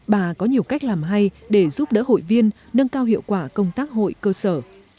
bà có nhiều cách làm hay để giúp đỡ hội viên nâng cao hiệu quả công tác hội cơ sở